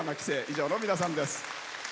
以上の皆さんです。